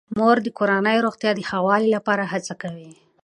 مور د کورنۍ روغتیا د ښه والي لپاره هڅه کوي.